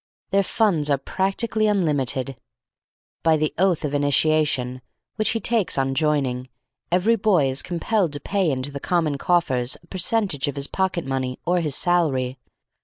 Their funds are practically unlimited. By the oath of initiation which he takes on joining, every boy is compelled to pay into the common coffers a percentage of his pocket money or his salary.